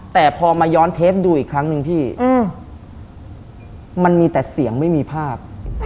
แต่พอมาย้อนเทปดูอีกครั้งหนึ่งพี่มันมีแต่เสียงไม่มีภาพ